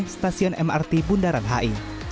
stasiun mrt bundaran hi